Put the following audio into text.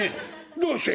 「どうして？」。